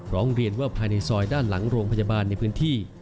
ร้องเรียนว่าภายในซอยด้านหลังโรงพยาบาลในพื้นที่